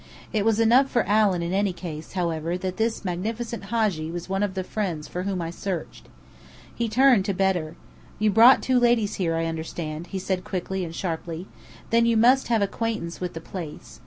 It was enough for Allen in any case, however, that this magnificent Hadji was one of the friends for whom I searched. He turned to Bedr. "You brought two ladies here, I understand," he said quickly and sharply. "Then you must have acquaintance with the place.